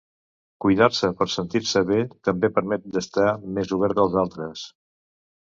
Cuidar-se per sentir-se bé també permet d’estar més obert als altres.